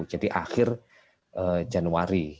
jadi akhir januari